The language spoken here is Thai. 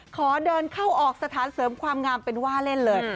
ขอเดินเข้าออกสถานเสริมความงามเป็นว่าเล่นเลย